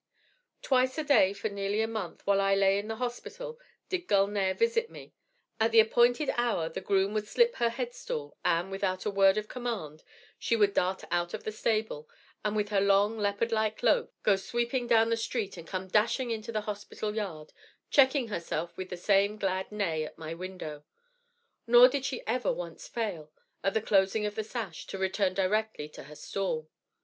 "Twice a day for nearly a month, while I lay in the hospital, did Gulnare visit me. At the appointed hour the groom would slip her headstall, and, without a word of command, she would dart out of the stable, and, with her long, leopard like lope, go sweeping down the street and come dashing into the hospital yard, checking herself with the same glad neigh at my window; nor did she ever once fail, at the closing of the sash, to return directly to her stall.